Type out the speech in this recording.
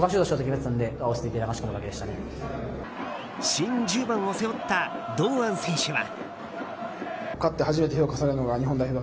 新１０番を背負った堂安選手は。